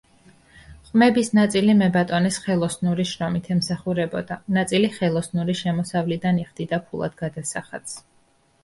ყმების ნაწილი მებატონეს ხელოსნური შრომით ემსახურებოდა, ნაწილი ხელოსნური შემოსავლიდან იხდიდა ფულად გადასახადს.